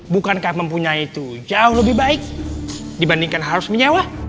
bukankah mempunyai itu jauh lebih baik dibandingkan harus menyewa